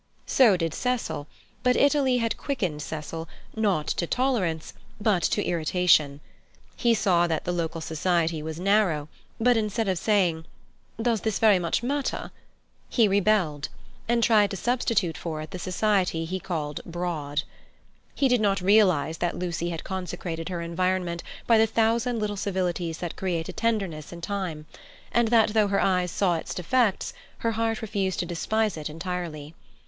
So did Cecil; but Italy had quickened Cecil, not to tolerance, but to irritation. He saw that the local society was narrow, but, instead of saying, "Does that very much matter?" he rebelled, and tried to substitute for it the society he called broad. He did not realize that Lucy had consecrated her environment by the thousand little civilities that create a tenderness in time, and that though her eyes saw its defects, her heart refused to despise it entirely.